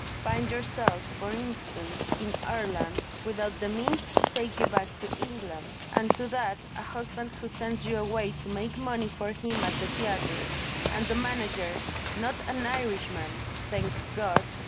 Find yourself, for instance, in Ireland, without the means to take you back to England. Add to that, a husband who sends you away to make money for him at the theatre, and a manager (not an Irishman, thank God!)